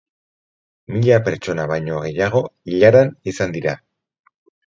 Mila pertsona baino gehiago ilaran izan dira.